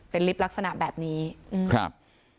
เป็นลิฟต์ลักษณะแบบนี้ครับ